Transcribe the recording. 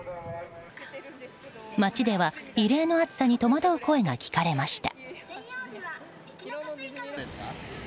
街では、異例の暑さに戸惑う声が聞かれました。